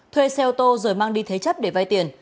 thuê xe ô tô rồi mang đi thế chấp để vay tiền